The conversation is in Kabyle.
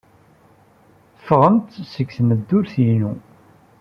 Ffɣemt seg tmeddurt-inu.